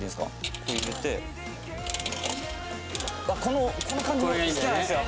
ここ入れてあっこの感じも好きなんですよ